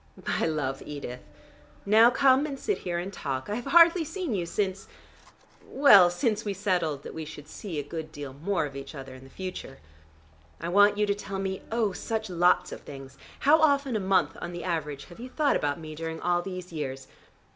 But I love Edith. Now come and sit here and talk. I have hardly seen you, since well, since we settled that we should see a good deal more of each other in the future. I want you to tell me, oh, such lots of things. How often a month on the average have you thought about me during all these years?